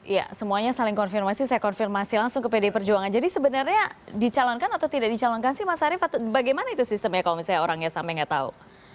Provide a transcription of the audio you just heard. ya semuanya saling konfirmasi saya konfirmasi langsung ke pdi perjuangan jadi sebenarnya dicalonkan atau tidak dicalonkan sih mas arief bagaimana itu sistemnya kalau misalnya orangnya sampai nggak tahu